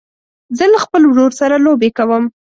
زه له خپل ورور سره لوبې کوم.